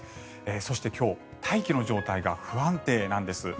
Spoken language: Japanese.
そして今日、大気の状態が不安定なんです。